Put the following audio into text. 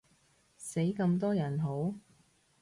死咁多人好？